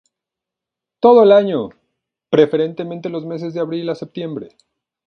Todo el año, preferentemente en los meses de abril a septiembre.